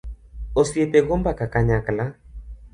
Osiepe go mbaka kanayakla